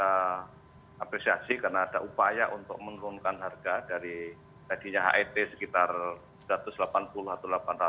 kita apresiasi karena ada upaya untuk menurunkan harga dari tadinya het sekitar rp satu ratus delapan puluh atau delapan ratus